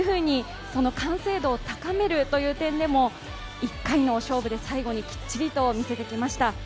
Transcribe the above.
完成度を高めるという点でも一回の勝負で最後にきっちりと見せてきました。